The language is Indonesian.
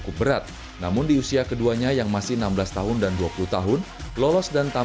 bulan mei itu kita sudah coba arenanya